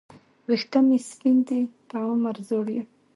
وېښته مي سپین دي په عمر زوړ یم